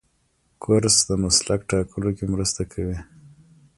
کورس د مسلک ټاکلو کې مرسته کوي.